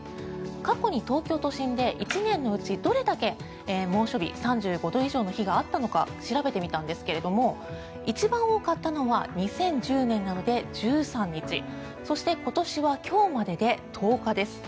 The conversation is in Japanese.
過去に東京都心で１年のうちどれだけ猛暑日、３５度以上の日があったのか調べてみたんですが一番多かったのは２０１０年などの１３日そして、今年は今日までで１０日です。